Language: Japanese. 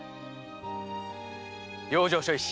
養生所医師